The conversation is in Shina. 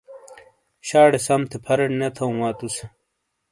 شاڑے سم تھے پھرینڈ نے تھوں وا تُو سے۔